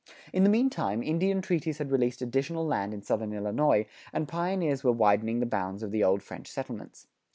In the meantime, Indian treaties had released additional land in southern Illinois, and pioneers were widening the bounds of the old French settlements.